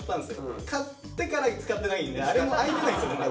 買ってから使ってないんであれも開いてないんですよねまだ。